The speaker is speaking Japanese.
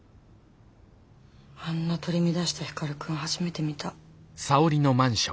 あんな取り乱した光くん初めて見た。